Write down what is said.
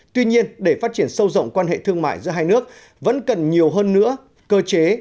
tuy nhiên để phát triển sâu rộng quan hệ thương mại giữa hai nước vẫn cần nhiều hơn nữa cơ chế